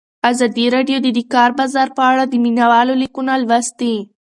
ازادي راډیو د د کار بازار په اړه د مینه والو لیکونه لوستي.